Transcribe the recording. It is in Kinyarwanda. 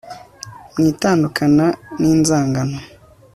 mu itandukana n inzangano